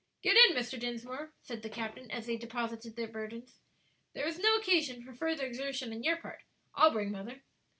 "Get in, Mr. Dinsmore," said the captain, as they deposited their burdens; "there is no occasion for further exertion on your part; I'll bring mother."